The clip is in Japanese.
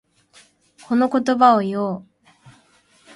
この言葉を言おう。